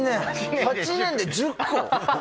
８年で１０個？